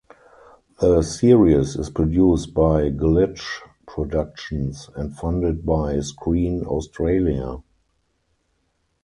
The series is produced by Glitch Productions and funded by Screen Australia.